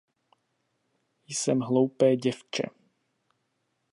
Jsem hloupé děvče.